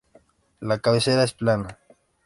La cabecera es plana.